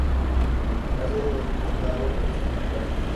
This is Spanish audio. La sede del condado es Trinidad.